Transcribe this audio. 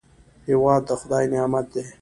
هېواد د خدای نعمت دی